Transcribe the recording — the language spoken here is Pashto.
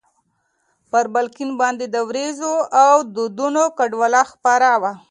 پر بالکن باندې د ورېځو او دودونو ګډوله خپره وه.